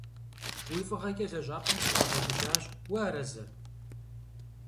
Уи фӏыгъэкӏэ лэжьапӏэм сыӏуагъэкӏыжащ, уарэзы?!